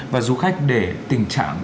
và du khách để tình trạng